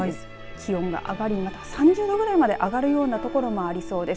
気温が上がり３０度ぐらいまで上がるような所もありそうです。